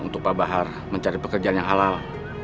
untuk pak bahar mencari pekerjaan yang halal